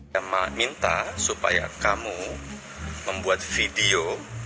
saya minta supaya kamu membuat video